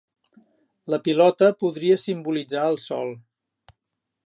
La pilota podria simbolitzar el sol.